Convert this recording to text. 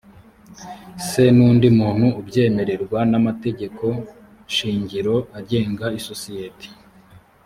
se n undi muntu ubyemererwa n amategekoshingiro agenga isosiyete